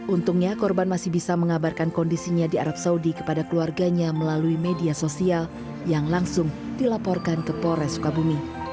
untungnya korban masih bisa mengabarkan kondisinya di arab saudi kepada keluarganya melalui media sosial yang langsung dilaporkan ke polres sukabumi